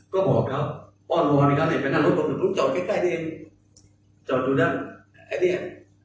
ก็บอกเขาว่าว่าในการเนี่ยไปนั่งรถผมจะจอดใกล้ใกล้เนี่ยจอดอยู่ด้านไอ้เนี่ย